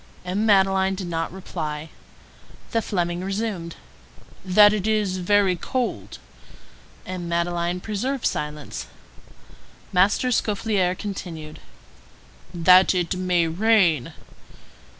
M. Madeleine did not reply. The Fleming resumed:— "That it is very cold?" M. Madeleine preserved silence. Master Scaufflaire continued:— "That it may rain?"